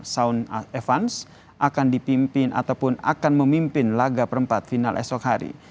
sound evans akan dipimpin ataupun akan memimpin laga perempat final esok hari